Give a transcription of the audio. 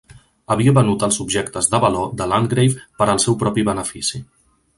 Havia venut els objectes de valor de Landgrave per al seu propi benefici.